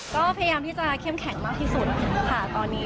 ก็พยายามที่จะเข้มแข็งมากที่สุดค่ะตอนนี้